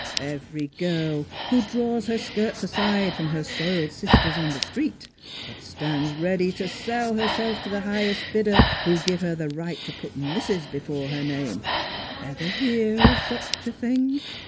... Every girl who draws her skirts aside from her soiled sisters on the street, but stands ready to sell herself to the highest bidder who'll give her the right to put Mrs. before her name. ... Ever hear of such a thing?